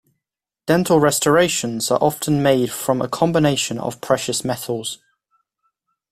Dental restorations are often made from a combination of precious metals.